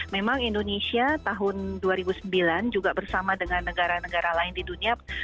memang indonesia tahun dua ribu sembilan juga bersama dengan negara negara lain di dunia